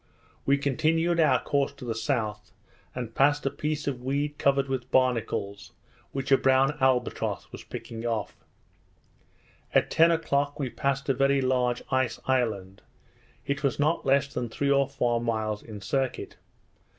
We continued our course to the south, and passed a piece of weed covered with barnacles, which a brown albatross was picking off. At ten o'clock, we passed a very large ice island; it was not less than three or four miles in circuit.